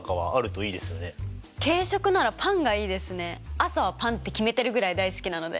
朝はパンって決めてるぐらい大好きなので。